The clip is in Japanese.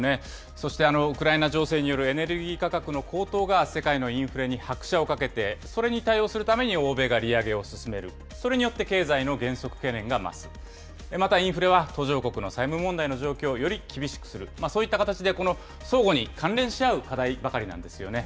そしてウクライナ情勢によるエネルギー価格の高騰が、世界のインフレに拍車をかけて、それに対応するために欧米が利上げを進める、それによって経済の減速懸念が増す、また、インフレは途上国の債務問題の状況をより厳しくする、そういった形でこの相互に関連し合う課題ばかりなんですよね。